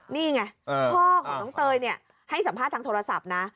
นี่ไงพ่อของน้องเตยให้สัมภาษณ์ทางโทรศัพท์นะ